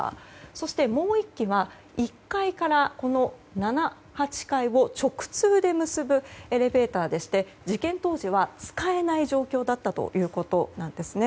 そしてもう１基は１階から７、８階を直通で結ぶエレベーターでして事件当時は使えない状況だったということなんですね。